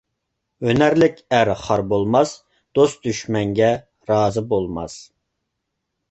ھۈنەرلىك ئەر خار بولماس، دوست-دۈشمەنگە رازى بولماس.